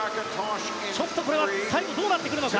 ちょっとこれは最後どうなってくるのか。